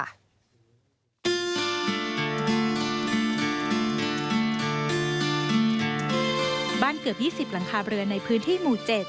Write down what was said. บ้านเกือบ๒๐หลังคาเรือนในพื้นที่หมู่๗